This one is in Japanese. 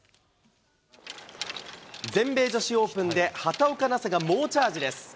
全米女子オープンで畑岡奈紗が猛チャージです。